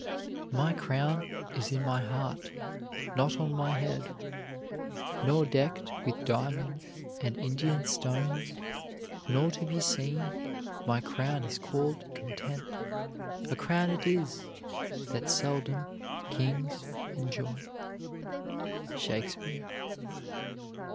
My crown is in my heart, not on my head, Nor decked with diamonds and Indian stones, Nor to be seen: my crown is called content; A crown it is, that seldom kings enjoy. SHAKESPEARE.